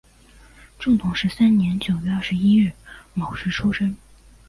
正统十三年九月二十一日戌时出生。